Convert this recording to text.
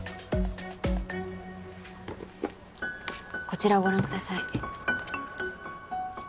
こちらをご覧ください